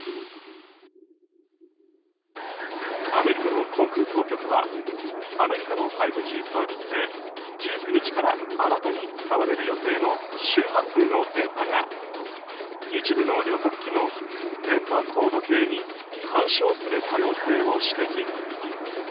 アメリカの航空当局はアメリカの５Ｇサービスで１９日から新たに使われる予定の周波数の電波が一部の旅客機の電波高度計に干渉する可能性を指摘。